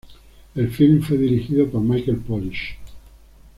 El film fue dirigido por Michael Polish.